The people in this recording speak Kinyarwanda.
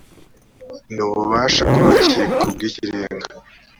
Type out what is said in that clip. ni ububasha by urukiko rw ikirenga